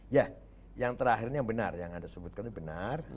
ya yang terakhir ini yang benar yang anda sebutkan benar